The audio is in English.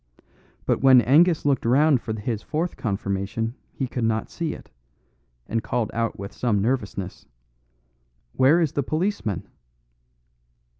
But when Angus looked round for his fourth confirmation he could not see it, and called out with some nervousness, "Where is the policeman?"